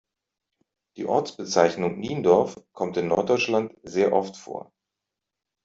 Die Ortsbezeichnung Niendorf kommt in Norddeutschland sehr oft vor.